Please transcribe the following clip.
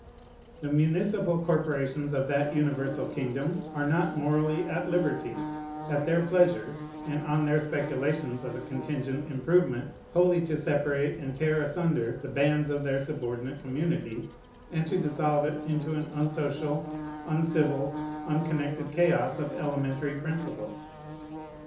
The municipal corporations of that universal kingdom are not morally at liberty, at their pleasure, and on their speculations of a contingent improvement, wholly to separate and tear asunder the bands of their subordinate community, and to dissolve it into an unsocial, uncivil, unconnected chaos of elementary principles.